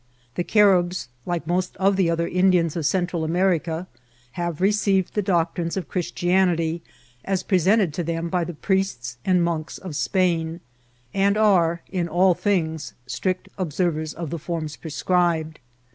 The Caribs, like most of the other Indians of Cen tral America, have received the doctrines of Christian ity as presented to them by the priests and monks of Spain, wad are, in all things, strict observers of the forms prescribed.